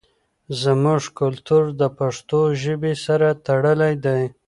زموږ کلتور د پښتو ژبې سره تړلی دی.